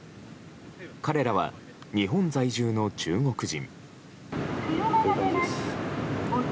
彼らは日本在住の中国人。